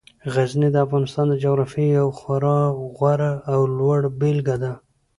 غزني د افغانستان د جغرافیې یوه خورا غوره او لوړه بېلګه ده.